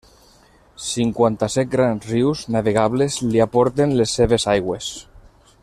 Cinquanta-set grans rius navegables li aporten les seves aigües.